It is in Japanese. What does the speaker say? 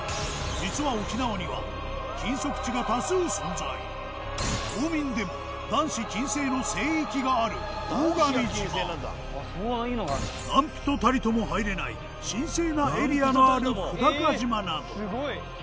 実は島民でも男子禁制の聖域がある大神島何人たりとも入れない神聖なエリアのある久高島など。